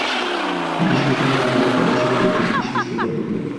Police Liton মিয়ার দেহ তল্লাশি করে একটি বিদেশি পিস্তল জব্দ করে।